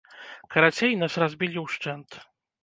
Карацей, нас разбілі ўшчэнт.